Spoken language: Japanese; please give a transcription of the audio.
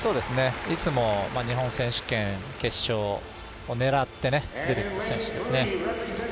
いつも日本選手権、決勝を狙って出てくる選手ですね。